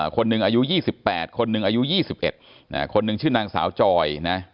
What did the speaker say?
คนหนึ่งอายุ๒๘คนหนึ่งอายุ๒๑คนหนึ่งชื่อนางสาวจอยนะ